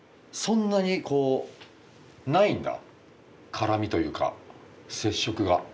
そんなにこうないんだ絡みというか接触が。